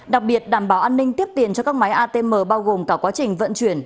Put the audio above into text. đặc biệt đảm bảo an ninh tiếp tiền cho các máy atm bao gồm cả quá trình vận chuyển